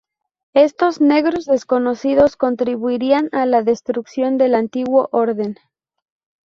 Estos "negros desconocidos" contribuirían a la destrucción del antiguo orden.